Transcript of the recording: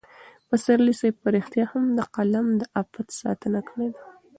پسرلي صاحب په رښتیا هم د قلم د عفت ساتنه کړې ده.